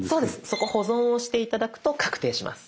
そこ保存を押して頂くと確定します。